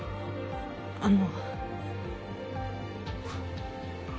あの。